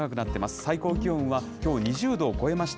最高気温はきょう、２０度を超えました。